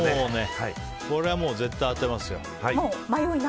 これは絶対当てますよ。